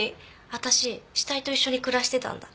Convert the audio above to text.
私死体と一緒に暮らしてたんだ。